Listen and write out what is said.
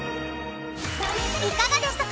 いかがでしたか？